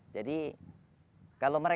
jadi kalau mereka